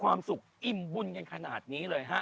วัดสุทัศน์นี้จริงแล้วอยู่มากี่ปีตั้งแต่สมัยราชการไหนหรือยังไงครับ